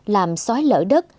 làm xói lỡ đất